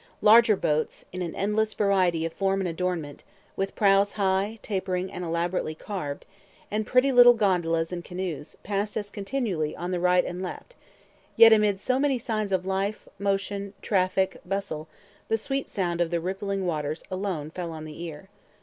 Larger boats, in an endless variety of form and adornment, with prows high, tapering, and elaborately carved, and pretty little gondolas and canoes, passed us continually on the right and left; yet amid so many signs of life, motion, traffic, bustle, the sweet sound of the rippling waters alone fell on the ear.